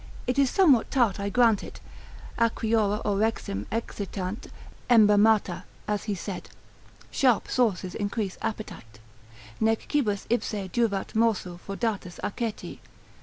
It is somewhat tart, I grant it; acriora orexim excitant embammata, as he said, sharp sauces increase appetite, nec cibus ipse juvat morsu fraudatus aceti.